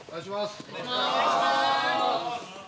お願いします。